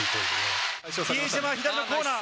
比江島、左のコーナー。